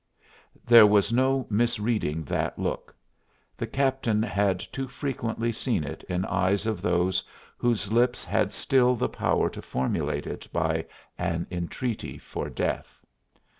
There was no misreading that look; the captain had too frequently seen it in eyes of those whose lips had still the power to formulate it by an entreaty for death.